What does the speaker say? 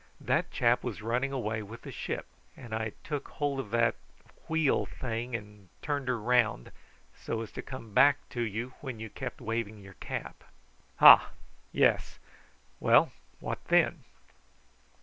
That chap was running away with the ship, and I took hold of that wheel thing and turned her round, so as to come back to you when you kept waving your cap." "Hah! yes. Well, what then?"